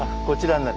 こちら。